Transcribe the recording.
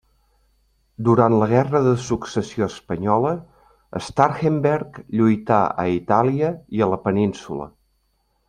Durant la Guerra de Successió Espanyola Starhemberg lluità a Itàlia i a la Península.